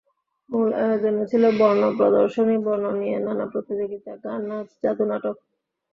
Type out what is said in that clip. মূল আয়োজনে ছিল বর্ণ প্রদর্শনী, বর্ণ নিয়ে নানা প্রতিযোগিতা, গান, নাচ, জাদু, নাটক।